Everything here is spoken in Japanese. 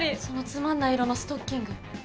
そのつまんない色のストッキング。